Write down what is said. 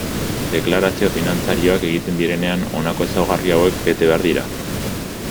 Deklarazio finantzarioak egiten direnean, honako ezaugarri hauek bete behar dira.